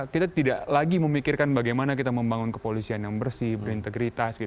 kita tidak lagi memikirkan bagaimana kita membangun kepolisian yang bersih berintegritas